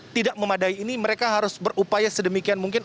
tidak memadai ini mereka harus berupaya sedemikian mungkin